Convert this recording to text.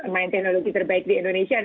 mind technology terbaik di indonesia